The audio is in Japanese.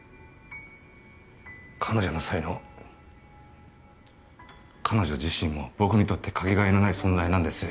彼女の才能彼女自身も僕にとってかけがえのない存在なんです